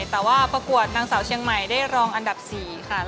แต่ว่าประกวดนางสาวเชียงใหม่ได้รองอันดับ๔ค่ะ